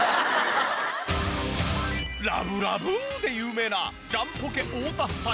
ラブラブで有名なジャンポケ太田夫妻。